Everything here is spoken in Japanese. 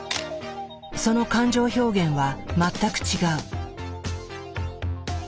その感情表現は全く違う。